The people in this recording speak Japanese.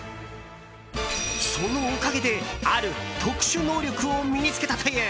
そのおかげである特殊能力を身に付けたという。